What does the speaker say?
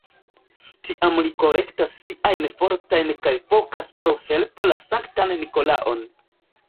Tiam li kolektas siajn fortojn kaj vokas pro helpo la sanktan Nikolaon.